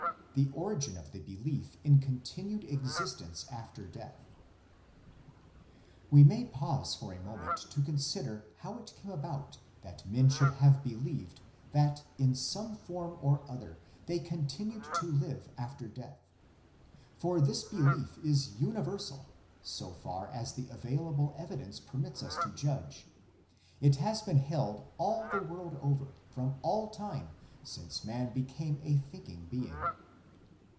THE ORIGIN OF THE BELIEF IN CONTINUED EXISTENCE AFTER DEATH We may pause for a moment to consider how it came about that men should have believed that in some form or other they continued to live after death ; for this belief is univer sal ; as far as the available evidence permits us to judge, it has been held all the world over from all time since man became a thinking being.